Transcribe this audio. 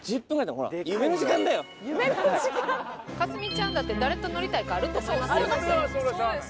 架純ちゃんだって誰と乗りたいとかあると思います。